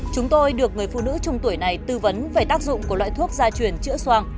chúng tôi được người phụ nữ trung tuổi này tư vấn về tác dụng của loại thuốc gia truyền chữa